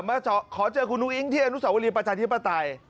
มาขอเจอคุณอุ้งที่อนุสาวรีประชาธิปไตย